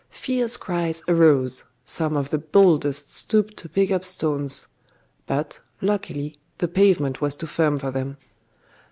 Fierce cries arose; some of the boldest stooped to pick up stones: but, luckily, the pavement was too firm for them....